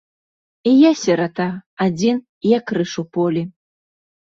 І я сірата, адзін, як крыж у полі.